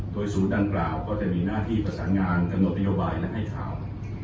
โดยศูนย์ดังกล่าวก็จะมีหน้าที่ประสานงานกำหนดนโยบายและให้ข่าว